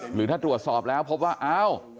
หรือถ้าตรวจสอบแล้วพบว่าอ้าว